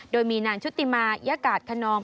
โดยมีนางชุติมายกาศคนนอม